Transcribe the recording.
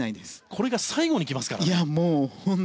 これが最後にきますからね。